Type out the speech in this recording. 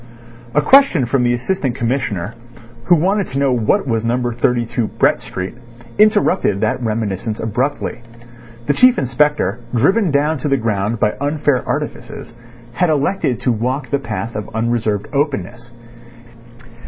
A question from the Assistant Commissioner, who wanted to know what was No. 32 Brett Street, interrupted that reminiscence abruptly. The Chief Inspector, driven down to the ground by unfair artifices, had elected to walk the path of unreserved openness.